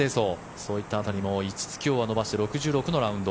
そういった辺りも５つ、今日は伸ばして６６のラウンド。